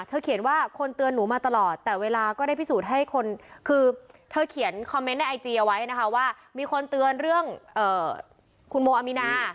เขียนว่าคนเตือนหนูมาตลอดแต่เวลาก็ได้พิสูจน์ให้คนคือเธอเขียนคอมเมนต์ในไอจีเอาไว้นะคะว่ามีคนเตือนเรื่องคุณโมอามีนา